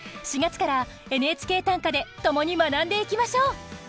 ４月から「ＮＨＫ短歌」でともに学んでいきましょう。